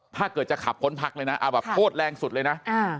ถ้าเกิดจะขับขนพักเลยนะอ้าวแบบโคตรแรงสุดเลยนะ